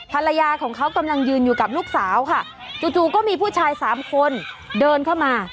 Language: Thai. ภรรยาของเขากำลังยืนอยู่กับลูกสาวค่ะจู่ก็มีผู้ชายสามคนเดินเข้ามา